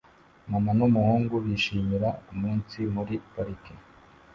Mama n'umuhungu bishimira umunsi muri parike